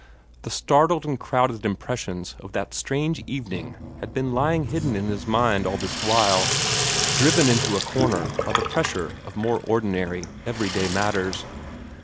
The startled and crowded impressions of that strange evening had been lying hidden in his mind all this while, driven into a corner by the pressure of more ordinary, everyday matters.